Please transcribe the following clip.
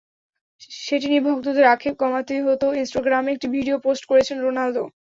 সেটি নিয়ে ভক্তদের আক্ষেপ কমাতেই হয়তো, ইনস্টাগ্রামে একটি ভিডিও পোস্ট করেছেন রোনালদো।